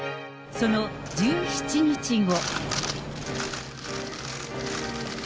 その１７日後。